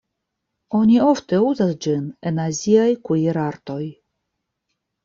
Oni ofte uzas ĝin en aziaj kuir-artoj.